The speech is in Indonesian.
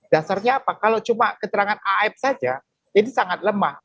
dasarnya apa kalau cuma keterangan af saja ini sangat lemah